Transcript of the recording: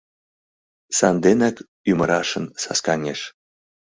Санденак ӱмырашын саскаҥеш...